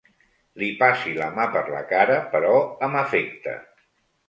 Li passi la mà per la cara, però amb afecte.